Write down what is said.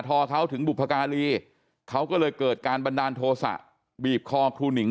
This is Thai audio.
อเขาถึงบุพการีเขาก็เลยเกิดการบันดาลโทษะบีบคอครูหนิง